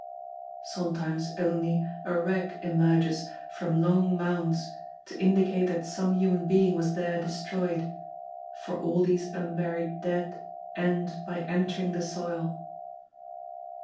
Sometimes only a rag emerges from long mounds to indicate that some human being was there destroyed, for all these unburied dead end by entering the soil.